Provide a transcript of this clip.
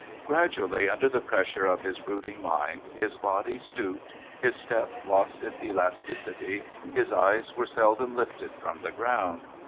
Gradually, under the pressure of his brooding mind, his body stooped, his step lost its elasticity, his eyes were seldom lifted from the ground.